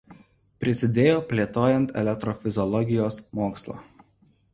Prisidėjo plėtojant elektrofiziologijos mokslą.